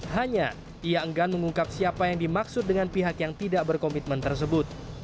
hanya ia enggan mengungkap siapa yang dimaksud dengan pihak yang tidak berkomitmen tersebut